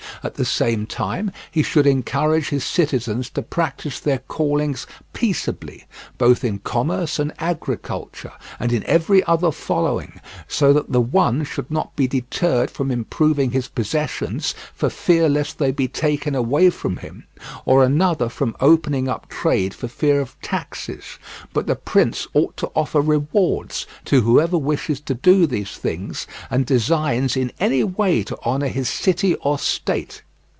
At the same time he should encourage his citizens to practise their callings peaceably, both in commerce and agriculture, and in every other following, so that the one should not be deterred from improving his possessions for fear lest they be taken away from him or another from opening up trade for fear of taxes; but the prince ought to offer rewards to whoever wishes to do these things and designs in any way to honour his city or state.